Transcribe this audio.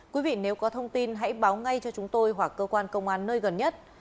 quý vị nếu có thông tin hãy báo ngay cho chúng tôi hoặc cơ quan công an nơi gần nhất